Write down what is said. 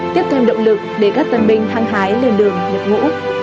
tiếp thêm động lực để các tân binh hăng hái lên đường nhập ngũ